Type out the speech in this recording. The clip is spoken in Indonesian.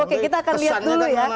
oke kita akan lihat dulu ya